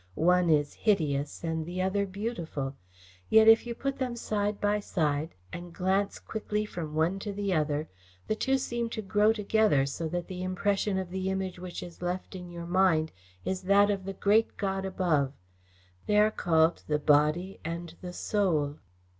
One is hideous and the other beautiful. Yet, if you put them side by side and glance quickly from one to the other, the two seem to grow together so that the impression of the Image which is left in your mind is that of the great God above. They are called the Body and the Soul."